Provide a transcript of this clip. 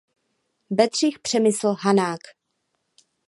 Bedřich Přemysl Hanák.